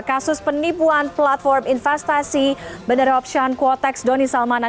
kasus penipuan platform investasi beneropsian kuoteks doni salmanan